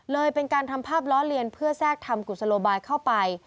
เป็นการทำภาพล้อเลียนเพื่อแทรกทำกุศโลบายเข้าไป